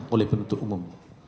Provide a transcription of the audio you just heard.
oleh penuntut umum